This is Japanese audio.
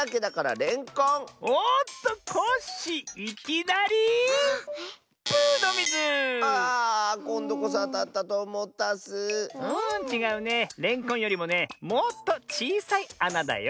れんこんよりもねもっとちいさいあなだよ。